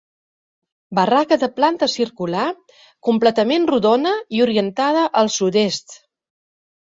Barraca de planta circular, completament rodona i orientada al sud-est.